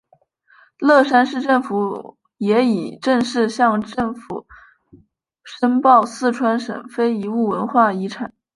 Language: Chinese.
乐山市政府也已正式向省政府申报四川省非物质文化遗产。